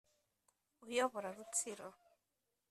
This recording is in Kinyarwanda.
uyobora Rutsiro